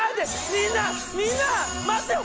みんなみんな待ってよ！